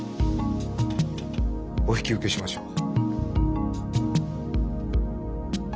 お引き受けしましょう。